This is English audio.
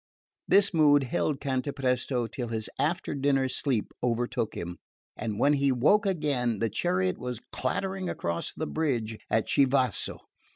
This mood held Cantapresto till his after dinner sleep overtook him; and when he woke again the chariot was clattering across the bridge of Chivasso.